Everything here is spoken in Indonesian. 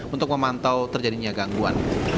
untuk memantau terjadinya gangguan